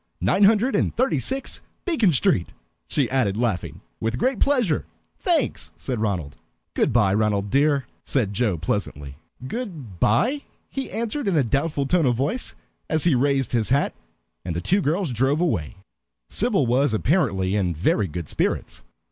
Nine hundred and thirty six, Beacon Street," she added, laughing. "With great pleasure thanks," said Ronald. "Good by, Ronald dear," said Joe pleasantly. "Good by," he answered in a doubtful tone of voice, as he raised his hat; and the two girls drove away. Sybil was apparently in very good spirits.